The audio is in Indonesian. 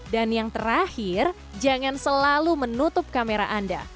dan yang terakhir jangan selalu menutup kamera anda